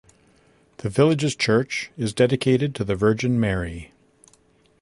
The village's church is dedicated to the Virgin Mary.